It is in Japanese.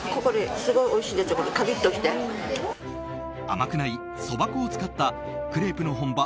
甘くない、そば粉を使ったクレープの本場